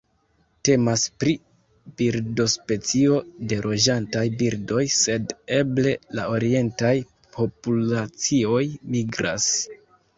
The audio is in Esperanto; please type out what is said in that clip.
Temas pri birdospecio de loĝantaj birdoj, sed eble la orientaj populacioj migras.